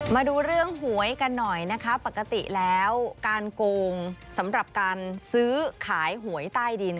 มาดูเรื่องหวยกันหน่อยนะคะปกติแล้วการโกงสำหรับการซื้อขายหวยใต้ดิน